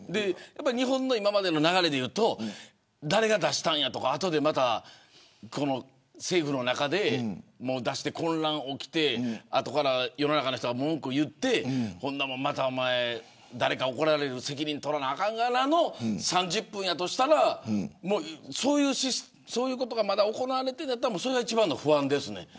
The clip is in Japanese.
日本の今までの流れで言うと誰が出したんやとか政府の中で混乱が起きてあとで世の中の人が文句を言ってまた誰か怒られる責任を取らなあかんとかからの３０分だとしたらそういうことがまだ行われているんだったらそれが一番の不安です。